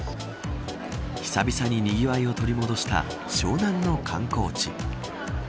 久々ににぎわいを取り戻した湘南の観光地。